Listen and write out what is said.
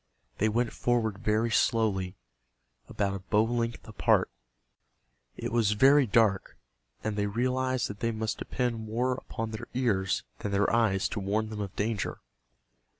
They went forward very slowly, about a bow length apart. It was very dark, and they realized that they must depend more upon their ears than their eyes to warn them of danger.